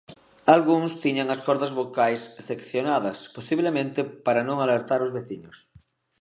Algúns tiñan as cordas vocais seccionadas, posiblemente para non alertar os veciños.